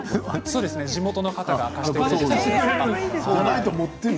そうですね、地元の方が貸し出してくれます。